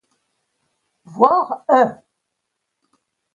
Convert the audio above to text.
Voire un.